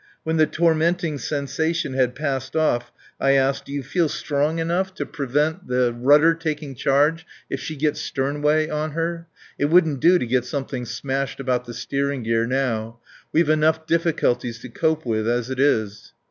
When the tormenting sensation had passed off I asked: "Do you feel strong enough to prevent the rudder taking charge if she gets sternway on her? It wouldn't do to get something smashed about the steering gear now. We've enough difficulties to cope with as it is."